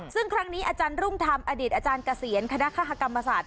ซึ่งครั้งนี้อาจารย์รุ่งทำอดิษฐ์อาจารย์กระเสียนคณะฆ่ากรรมศาสตร์